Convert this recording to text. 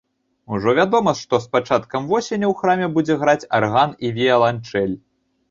Ужо вядома, што з пачаткам восені ў храме будзе граць арган і віяланчэль.